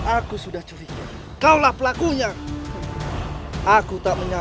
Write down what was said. aku sudah tahu siapa kau